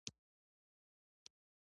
چای د ذهن د خلاصون وسیله ده.